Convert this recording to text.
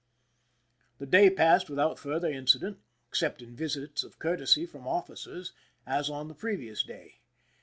The day passed without further incident, except ing visits of courtesy from officers, as on the pre vious day.